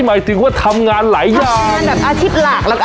หมายถึงว่าทำงานหลายอย่าง